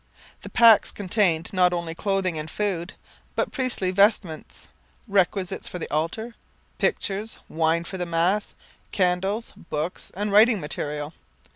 The packs contained not only clothing and food, but priestly vestments, requisites for the altar, pictures, wine for the Mass, candles, books, and writing material.